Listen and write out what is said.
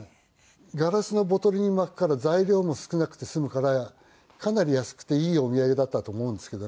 ガラスのボトルに巻くから材料も少なくて済むからかなり安くていいお土産だったと思うんですけどね。